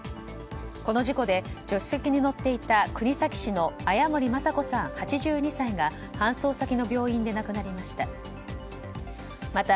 この事故で助手席に乗っていた国東市の綾森マサ子さん、８２歳が搬送先の病院で亡くなりました。